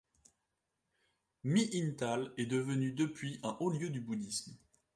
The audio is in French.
Mihintale est devenu depuis un haut lieu du bouddhisme.